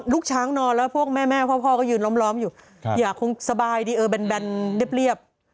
ลูกช้างนอนแล้วพวกแม่พ่อก็ยืนล้อมอยู่อย่าคงสบายดีเออแบนเรียบ